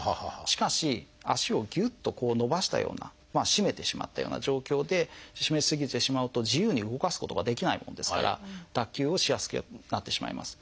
しかし脚をぎゅっとこう伸ばしたような締めてしまったような状況で締め過ぎてしまうと自由に動かすことができないもんですから脱臼をしやすくなってしまいます。